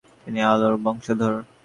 তিনি আলীর বংশধর।